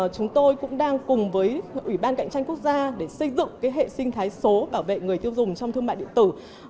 chúng tôi cũng đang cùng với ủy ban cạnh tranh quốc gia để xây dựng hệ sinh thái số bảo vệ người tiêu dùng trong thương mại điện tử